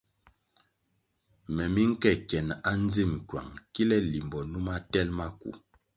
Me mi nke kyenʼ andzim kywang kile limbo numa tel maku.